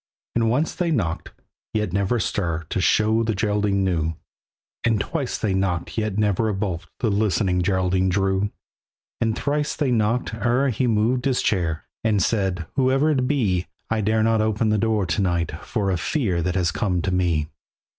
And once they knocked, yet never a stir To show that the Geraldine knew; And twice they knocked, yet never a bolt The listening Geraldine drew. And thrice they knocked ere he moved his chair, And said, "Whoever it be, I dare not open the door to night For a fear that has come to me."